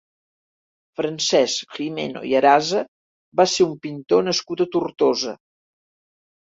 Francesc Gimeno i Arasa va ser un pintor nascut a Tortosa.